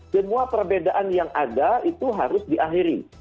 semua perbedaan yang ada itu harus diakhiri